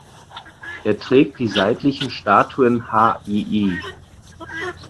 Er trägt die seitlichen Statuen Hll.